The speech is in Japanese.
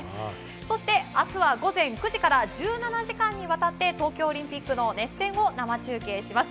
そして明日は午前９時から１７時間にわたって東京オリンピックの熱戦を生中継します。